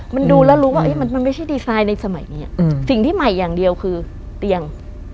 มันดูแล้วรู้ว่ามันไม่ใช่ดีไซน์ในสมัยนี้สิ่งที่ใหม่อย่างเดียวคือเตียง